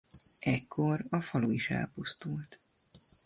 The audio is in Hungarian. Ekkor a falu is elpusztult.